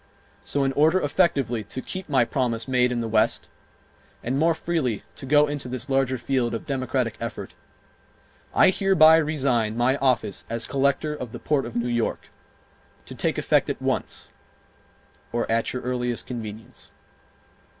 So in order effectively to keep my promise made in the West and more freely to go into this larger field of democratic effort, I hereby resign my office as Collector of the Port of New York, to take effect at once, or at your earliest convenience.